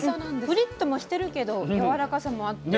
プリッともしてるけどやわらかさもあって。